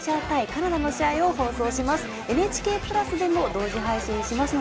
カナダの試合を放送します。